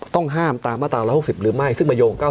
ต้องห้ามตามมาตรา๑๖๐หรือไม่ซึ่งมาโยง๙๙